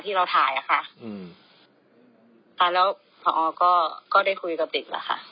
ที่เราถ่ายอะค่ะอืมค่ะแล้วพอก็ก็ได้คุยกับเด็กแล้วค่ะ